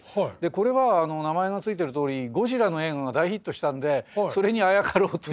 これは名前が付いてるとおり「ゴジラ」の映画が大ヒットしたんでそれにあやかろうという企画ですよね。